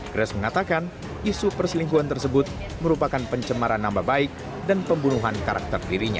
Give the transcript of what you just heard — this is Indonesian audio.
grace mengatakan isu perselingkuhan tersebut merupakan pencemaran nama baik dan pembunuhan karakter dirinya